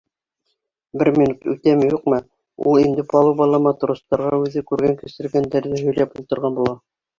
Бер минут үтәме-юҡмы, ул инде палубала матростарға үҙе күргән-кисергәндәрҙе һөйләп ултырған була.